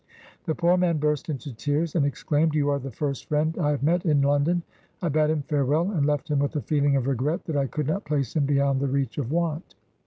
The poor man burst into tears, and exclaimed, ' You are the first friend I have met in London.' I bade him farewell, and left him with a feeling of regret that I could not place him beyond the reach of want.